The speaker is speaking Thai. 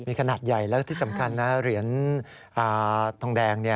มีขนาดใหญ่แล้วที่สำคัญนะเหรียญทองแดง